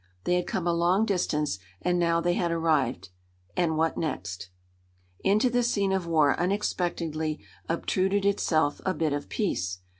They had come a long distance and now they had arrived. And what next? Into this scene of war unexpectedly obtruded itself a bit of peace.